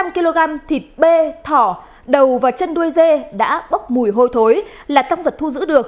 sáu trăm linh kg thịt bê thỏ đầu và chân đuôi dê đã bốc mùi hôi thối là thông vật thu giữ được